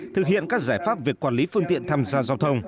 thực hiện các giải pháp việc quản lý phương tiện tham gia giao thông